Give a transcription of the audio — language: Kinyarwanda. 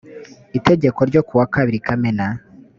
itegeko ryo kuwa kabiri kamena